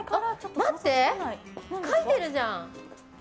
待って、書いてあるじゃん。